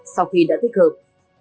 sau khi đã thích hợp